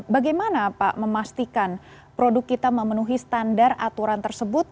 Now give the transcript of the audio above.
bagaimana pak memastikan produk kita memenuhi standar aturan tersebut